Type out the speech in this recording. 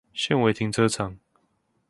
現為停車場